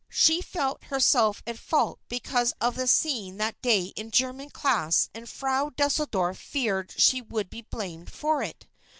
She felt herself at fault because of the scene that day in German class and Frau Deuseldorf feared she would be blamed for it.